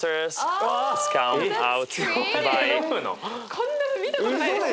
こんなの見たことないですよ。